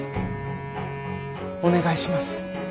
お願いします。